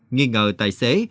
nghi ngờ tài xế